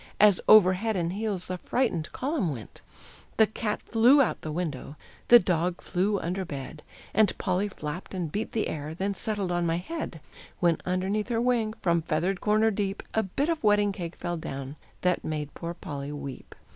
As over head and heels the frightened column went! The cat flew out of window, The dog flew under bed, And Polly flapped and beat the air, Then settled on my head; When underneath her wing, From feathered corner deep, A bit of wedding cake fell down, That made poor Polly weep.